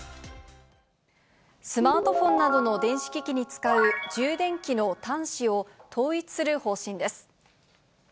スマートフォンなどの電子機器に使う充電器の端子を統一する方針です。